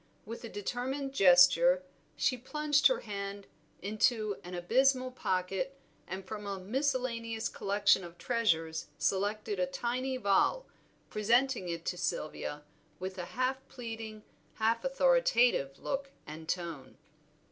With a determined gesture she plunged her hand into an abysmal pocket, and from a miscellaneous collection of treasures selected a tiny vial, presenting it to Sylvia with a half pleading, half authoritative look and tone.